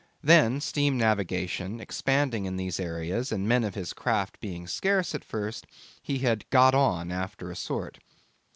Then, steam navigation expanding in these seas and men of his craft being scarce at first, he had 'got on' after a sort.